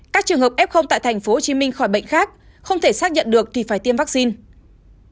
các trường hợp f tại tp hcm khỏi bệnh khác không thể xác nhận được thì phải tiêm vaccine